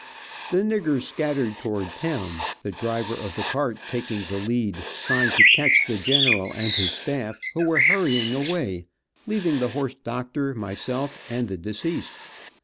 The niggers scattered towards town, the driver of the cart taking the lead, trying to catch the general and his start, who were hurrying away, leaving the horse doctor, myself and the deceased.